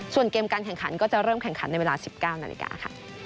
ส่วนเกมการแข่งขันก็จะเริ่มแข่งขันในเวลา๑๙นาฬิกาค่ะ